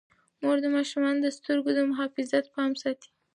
مور د ماشومانو د سترګو د محافظت پام ساتي.